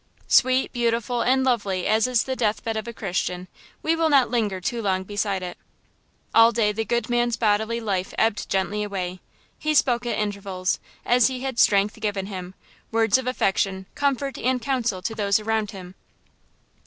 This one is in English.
Sweet, beautiful and lovely as is the death bed of a Christian, we will not linger too long beside it. All day the good man's bodily life ebbed gently away. He spoke at intervals, as he had strength given him, words of affection, comfort and counsel to those around him.